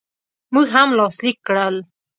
موږ هم لاسلیک کړل.